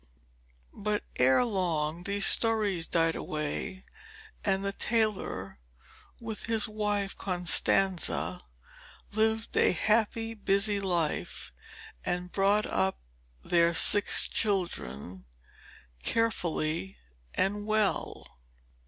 But ere long these stories died away, and the tailor, with his wife Constanza, lived a happy, busy life, and brought up their six children carefully and well.